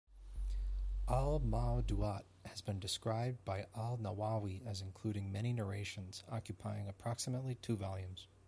"Al-Mawdu'at" has been described by Al-Nawawi as including many narrations, occupying approximately two volumes.